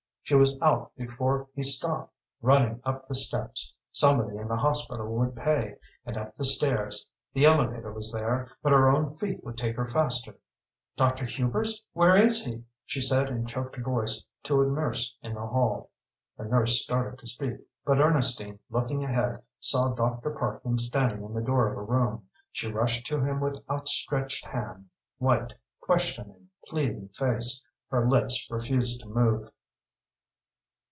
She was out before he stopped, running up the steps somebody in the hospital would pay and up the stairs. The elevator was there but her own feet would take her faster. "Dr. Hubers? Where is he?" she said in choked voice to a nurse in the hall. The nurse started to speak, but Ernestine, looking ahead, saw Dr. Parkman standing in the door of a room. She rushed to him with outstretched hand, white, questioning, pleading face. Her lips refused to move.